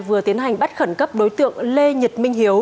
vừa tiến hành bắt khẩn cấp đối tượng lê nhật minh hiếu